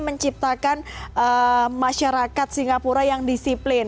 menciptakan masyarakat singapura yang disiplin